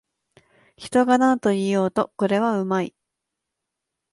人がなんと言おうと、これはうまい